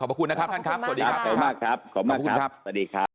ขอบคุณนะครับท่านครับสวัสดีครับขอบคุณมากครับสวัสดีครับ